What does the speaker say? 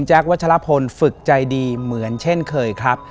วัชลพลฝึกใจดีเหมือนเช่นเคยครับ